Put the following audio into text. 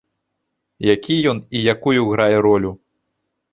Які ён і якую грае ролю?